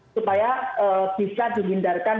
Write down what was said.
supaya bisa dihindarkan